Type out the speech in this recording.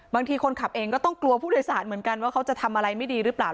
คนขับเองก็ต้องกลัวผู้โดยสารเหมือนกันว่าเขาจะทำอะไรไม่ดีหรือเปล่า